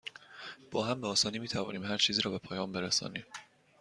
با هم، به آسانی می توانیم هرچیزی را به پایان برسانیم.